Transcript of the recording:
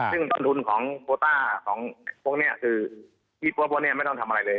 ซึ่งต้นทุนของโพต้าพวกนี้คือพี่โพต้าไม่ต้องทำอะไรเลย